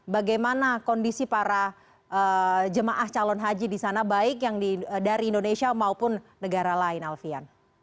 bagaimana kondisi para jemaah calon haji di sana baik dari indonesia maupun negara lain alfian